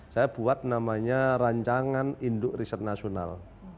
saya buat namanya rancangan induk riset nasional